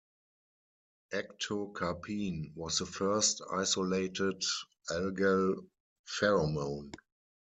Ectocarpene was the first isolated algal pheromone.